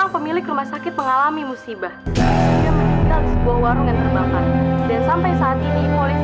pilih apsem usar sama améric